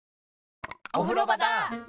おふろばだ！